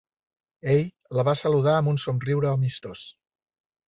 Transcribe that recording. Ell la va saludar amb un somriure amistós.